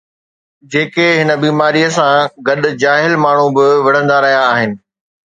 جيڪي هن بيماريءَ سان گڏ جاهل ماڻهو به وڙهندا رهيا آهن